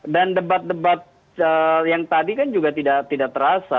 dan debat debat yang tadi kan juga tidak terasa